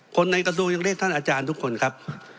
คนในกระทรวงยังเรียกท่านอาจารย์ทุกคนครับ